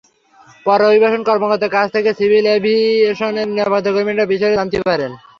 পরে অভিবাসন কর্মকর্তার কাছ থেকে সিভিল এভিয়েশনের নিরাপত্তাকর্মীরা বিষয়টি জানতে পারেন।